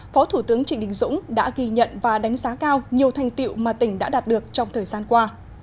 phó thủ tướng trịnh đình dũng đã ghi nhận và đánh giá cao nhiều thành tiệu mà tỉnh đã đạt được trong thời gian qua